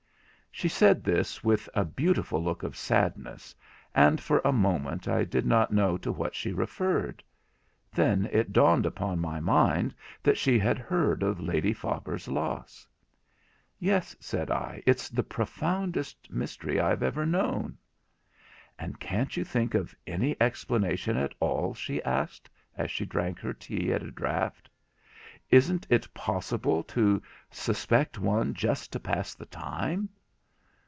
She said this with a beautiful look of sadness, and for a moment I did not know to what she referred. Then it dawned upon my mind that she had heard of Lady Faber's loss. 'Yes,' said I, 'it's the profoundest mystery I have ever known.' 'And can't you think of any explanation at all?' she asked, as she drank her tea at a draught. 'Isn't it possible to suspect some one just to pass the time?'